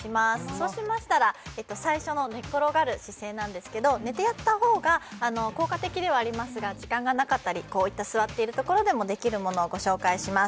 そうしましたら最初の寝っ転がる姿勢なんですけど寝てやった方が効果的ではありますが時間がなかったりこういった座っているところでもできるものをご紹介します